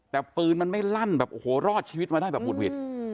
แต่ปืนมันไม่ลั่นแบบโอ้โหรอดชีวิตมาได้แบบหุดหวิด